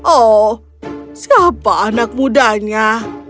oh siapa anak mudanya